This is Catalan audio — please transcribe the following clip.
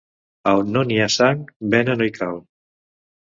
A on no n'hi ha sang vena no hi cal.